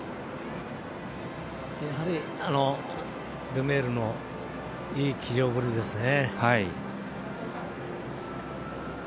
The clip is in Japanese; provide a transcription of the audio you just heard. やはり、ルメールのいい騎乗ぶりですね。